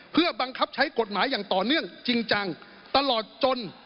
เพื่อบังคับใช้กฎหมายอย่างต่อเนื่องจริงจังตลอดจน